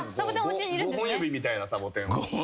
５本指みたいなサボテンを。